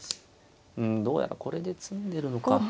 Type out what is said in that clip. うんどうやらこれで詰んでるのか。